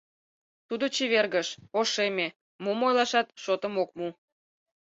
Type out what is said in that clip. Тудо чевергыш, ошеме, мом ойлашат шотым ок му.